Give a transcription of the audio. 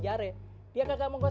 yuk diamlah yang puasa down